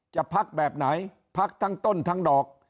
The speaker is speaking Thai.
จะพักแบบไหนพักทั้งต้นทั้งดอก